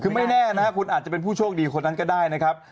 คือไม่แน่นะคุณอาจจะเป็นผู้โชคดีคนนั้นก็ได้นะครับ